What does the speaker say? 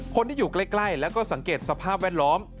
คนที่อยู่ใกล้แล้วก็สังเกตสภาพแวดล้อม